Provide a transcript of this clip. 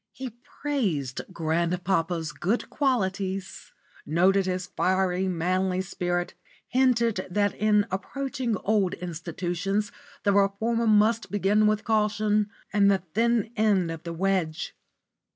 He praised grandpapa's good qualities, noted his fiery, manly spirit, hinted that in approaching old institutions the reformer must begin with caution and the thin end of the wedge.